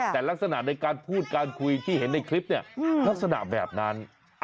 แต่ลักษณะในการพูดการคุยที่เห็นในคลิปเนี่ยลักษณะแบบนั้น